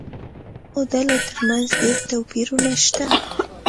د واکمنو ډلو ترمنځ ډېر توپیرونه شته.